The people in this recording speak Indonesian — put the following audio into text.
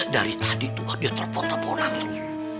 dari tadi tuh dia telpon telponan terus